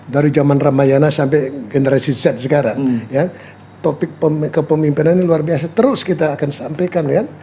dari zaman ramayana sampai generasi z sekarang ya topik kepemimpinan ini luar biasa terus kita akan sampaikan ya